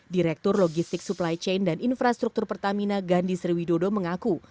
direktur logistik supply chain dan infrastruktur pertamina gandhi sriwidodo mengaku